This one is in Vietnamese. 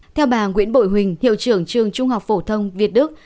theo bà nguyễn bội huỳnh hiệu trưởng trường trung học phổ thông việt đức